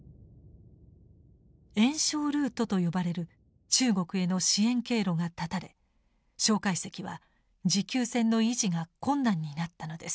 援ルートと呼ばれる中国への支援経路が断たれ介石は持久戦の維持が困難になったのです。